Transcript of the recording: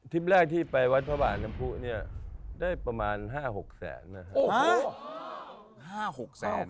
แรกที่ไปวัดพระบาทน้ำผู้เนี่ยได้ประมาณ๕๖แสนนะครับ